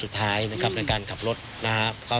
สุดท้ายนะครับในการขับรถนะครับ